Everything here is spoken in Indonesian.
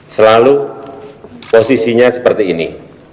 selalu posisinya seperti ini